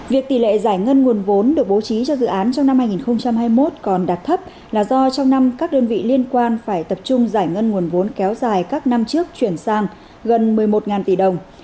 việc tỷ lệ giải ngân nguồn vốn được bố trí cho dự án trong năm hai nghìn hai mươi một còn đạt thấp là do trong năm các đơn vị liên quan phải tập trung giải ngân nguồn vốn kéo dài các năm trước chuyển sang gần một mươi một tỷ đồng